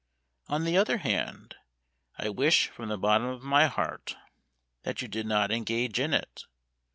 On the other hand, I wish from the bottom of my heart That you did not engage in it.